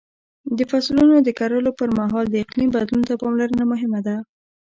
د فصلونو د کرلو پر مهال د اقلیم بدلون ته پاملرنه مهمه ده.